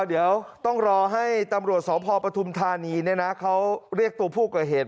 เดี๋ยวต้องรอให้ตำรวจสพปฐุมธานีเขาเรียกตัวผู้ก่อเหตุ